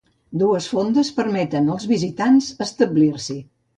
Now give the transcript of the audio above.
Dues fondes permeten els visitants establir-s'hi.